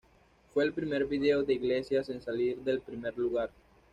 Fue el primer video de Iglesias en salir del primer lugar.